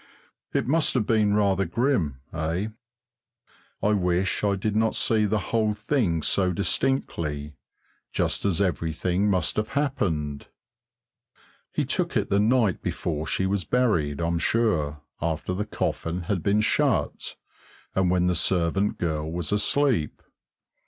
It must have been rather grim, eh? I wish I did not see the whole thing so distinctly, just as everything must have happened. He took it the night before she was buried, I'm sure, after the coffin had been shut, and when the servant girl was asleep.